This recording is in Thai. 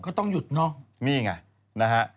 ก็ต้องหยุดเนอะ